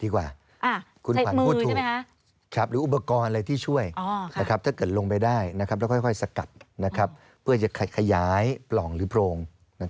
การใช้เครื่อง